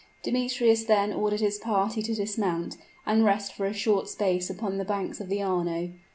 Demetrius then ordered his party to dismount and rest for a short space upon the banks of the Arno.